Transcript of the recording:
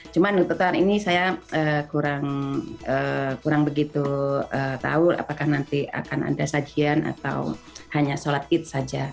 cuma untuk tahun ini saya kurang begitu tahu apakah nanti akan ada sajian atau hanya sholat id saja